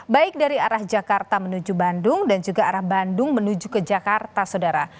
baik dari arah jakarta menuju bandung dan juga arah bandung menuju ke jakarta saudara